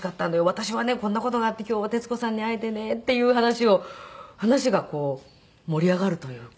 私はねこんな事があって今日は徹子さんに会えてねっていう話を話が盛り上がるというか。